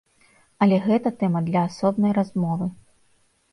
Але гэта тэма для асобнай размовы.